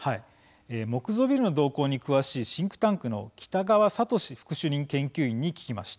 木造ビルの動向に詳しいシンクタンクの北川哲副主任研究員に聞きました。